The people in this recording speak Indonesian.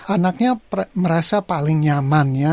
anaknya merasa paling nyaman ya